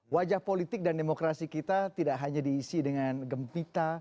wajah politik dan demokrasi kita tidak hanya diisi dengan gempita